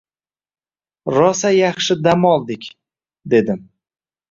Rosa yaxshi dam oldik, dedim